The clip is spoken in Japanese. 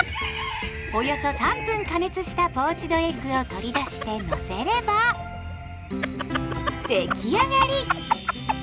およそ３分加熱したポーチドエッグを取り出してのせれば出来上がり。